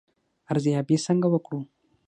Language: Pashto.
ارزیابي څنګه وکړو؟